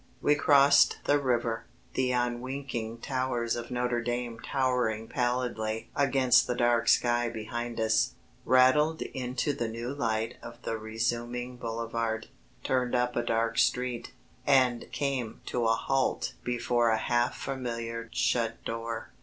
We crossed the river, the unwinking towers of Notre Dame towering pallidly against the dark sky behind us; rattled into the new light of the resuming boulevard; turned up a dark street, and came to a halt before a half familiar shut door.